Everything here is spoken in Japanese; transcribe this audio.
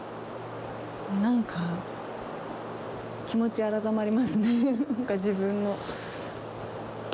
なんか、気持ち、改まりますね、自分の。